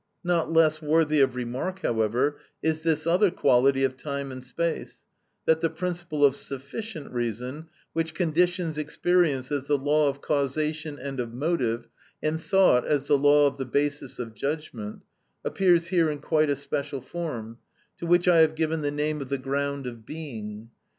Not less worthy of remark, however, is this other quality of time and space, that the principle of sufficient reason, which conditions experience as the law of causation and of motive, and thought as the law of the basis of judgment, appears here in quite a special form, to which I have given the name of the ground of being.